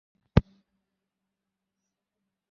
তিনি তার সময়কালে সেরা সর্বক্রীড়াবিদের সম্মাননা লাভ করেছেন।